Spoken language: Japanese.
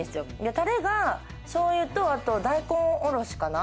タレがしょうゆと大根おろしかな。